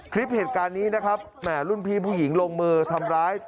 คลิปเหตุการณ์นี้นะครับแหม่รุ่นพี่ผู้หญิงลงมือทำร้าย